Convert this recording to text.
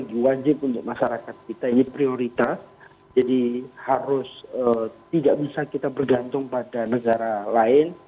ini prioritas jadi harus tidak bisa kita bergantung pada negara lain